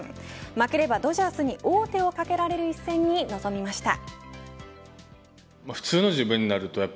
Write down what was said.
負ければドジャースに王手をかけられる一戦に挑みました。